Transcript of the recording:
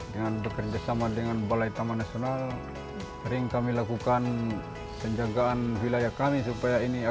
bekerja dan bersama balai taman nasional sering kami lakukan penjagaan wilayah kami oder omer limah